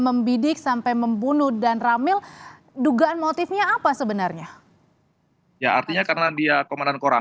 membidik sampai membunuh dan ramil dugaan motifnya apa sebenarnya ya artinya karena dia komandan koran